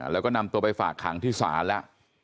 แล้วก็นำตัวไปฝากขังที่ศาลแล้ว